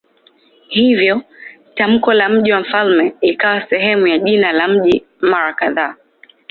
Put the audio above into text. Hivyo tamko la "mji wa mfalme" likawa sehemu ya jina la mji mara kadhaa.